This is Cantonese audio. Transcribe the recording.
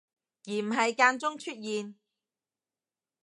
而唔係間中出現